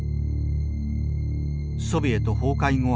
ソビエト崩壊後